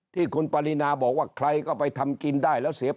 ที่คุณปรินาบอกว่าใครก็ไปทำกินได้แล้วเสีย